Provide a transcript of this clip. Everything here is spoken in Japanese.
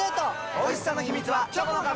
おいしさの秘密はチョコの壁！